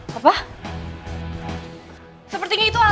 saya seperti mendengar suara orang